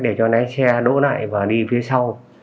để cho lái xe đỗ lại và đi phía sau